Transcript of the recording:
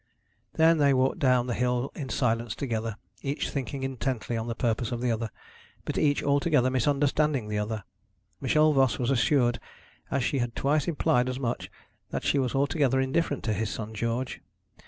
Then they walked down the hill in silence together, each thinking intently on the purpose of the other, but each altogether misunderstanding the other. Michel Voss was assured as she had twice implied as much that she was altogether indifferent to his son George.